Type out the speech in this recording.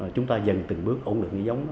chúng ta dần từng bước ổn định giống